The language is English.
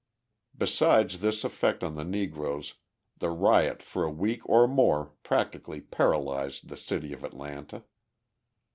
Besides this effect on the Negroes the riot for a week or more practically paralysed the city of Atlanta.